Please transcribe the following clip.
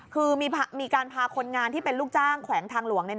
คือมีการพาคนงานที่เป็นลูกจ้างแขวงทางหลวง